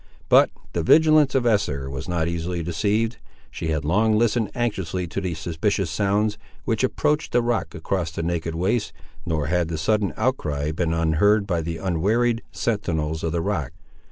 But the vigilance of Esther was not easily deceived. She had long listened anxiously to the suspicious sounds, which approached the rock across the naked waste, nor had the sudden outcry been unheard by the unwearied sentinels of the rock.